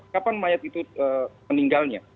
kapan mayat itu meninggalnya